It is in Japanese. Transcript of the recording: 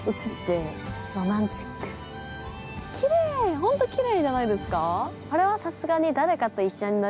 ほんとにきれいじゃないですか？